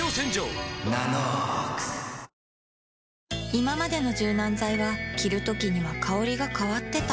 いままでの柔軟剤は着るときには香りが変わってた